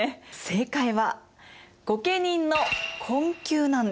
正解は御家人の困窮なんです。